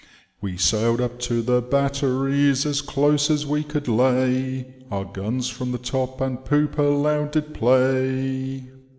" We sailed up to the batteries, as close as wo could lay, Our guns from the top and poop aloud did play.